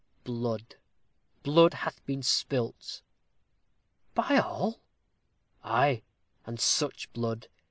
Blood blood hath been spilt." "By all?" "Ay, and such blood!